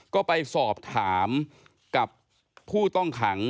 ก็ไปสอบถามกับผู้ต้องขัง